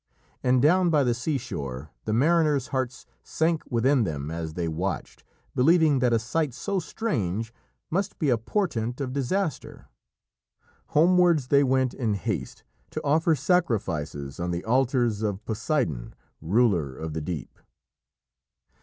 And down by the seashore the mariners' hearts sank within them as they watched, believing that a sight so strange must be a portent of disaster. Homewards they went in haste to offer sacrifices on the altars of Poseidon, ruler of the deep.